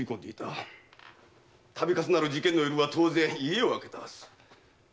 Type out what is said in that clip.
度重なる事件の夜は当然家を空けたはず。